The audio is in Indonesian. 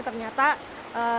ternyata tidak ada yang marah ya